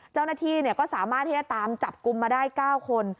เจ้าหน้าที่ก็สามารถที่จะตามจับกลุ่มมาได้๙คน